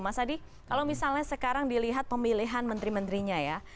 mas adi kalau misalnya sekarang dilihat pemilihan menteri menterinya ya